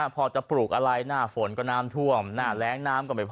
พอจะปลูกอะไรหน้าฝนก็น้ำท่วมหน้าแรงน้ำก็ไม่พอ